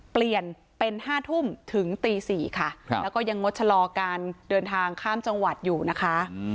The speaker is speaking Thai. เปลี่ยนเป็น๕ทุ่มถึงตี๔ค่ะแล้วก็ยังงดชะลอการเดินทางข้ามจังหวัดอยู่นะคะ